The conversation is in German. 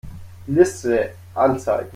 Liste anzeigen.